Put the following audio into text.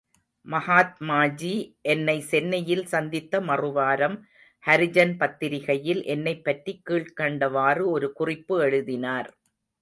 மகாத்மாஜி என்னை சென்னையில் சந்தித்த மறுவாரம் ஹரிஜன் பத்திரிகையில் என்னைப்பற்றி கீழ்க்கண்டவாறு ஒரு குறிப்பு எழுதினார்.